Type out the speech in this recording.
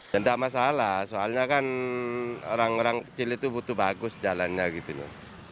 tidak masalah soalnya kan orang orang kecil itu butuh bagus jalannya gitu loh